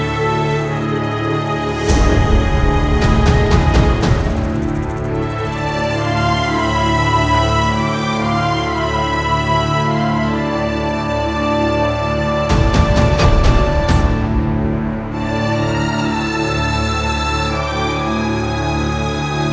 kamu ada apa kesini